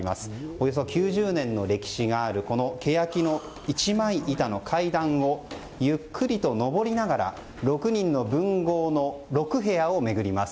およそ９０年の歴史があるこのケヤキの１枚板の階段をゆっくりと上りながら６人の文豪の６部屋を巡ります。